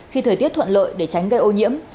khi thời tiết thuận lợi để tránh gây ô nhiễm